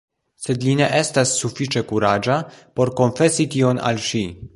Sed li ne estas sufiĉe kuraĝa por konfesi tion al ŝi.